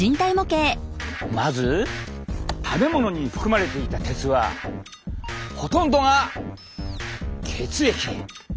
まず食べ物に含まれていた鉄はほとんどが血液へ。